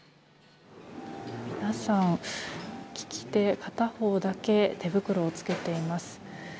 皆さん、利き手片方だけ手袋を着けています。